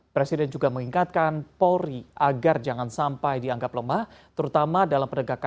presiden juga menunjukkan kepercayaan kepercayaan masyarakat terhadap polisi